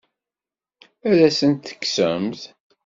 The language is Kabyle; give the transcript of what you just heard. Ad asen-ten-tekksemt?